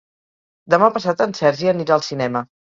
Demà passat en Sergi anirà al cinema.